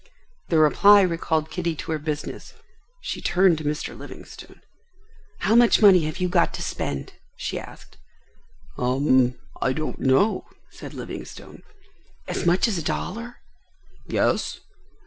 The reply recalled Kitty to her business. She turned to Mr. Livingstone. "How much money have you got to spend?" she asked. "Umhm—I don't know," said Livingstone. "As much as a dollar?" "Yes."